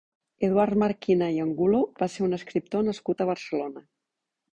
Eduard Marquina i Angulo va ser un escriptor nascut a Barcelona.